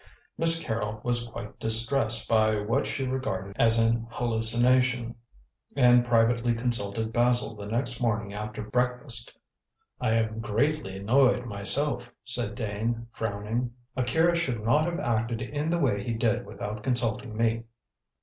Miss Carrol was quite distressed by what she regarded as an hallucination, and privately consulted Basil the next morning after breakfast. "I am greatly annoyed myself," said Dane, frowning. "Akira should not have acted in the way he did without consulting me."